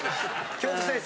京都先生